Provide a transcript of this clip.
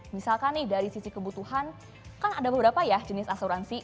misalkan nih dari sisi kebutuhan kan ada beberapa ya jenis asuransi